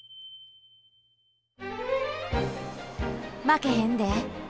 負けへんで！